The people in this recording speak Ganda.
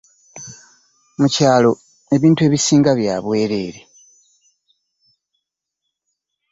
Mu kyalo ebintu ebisinga bya bwereere.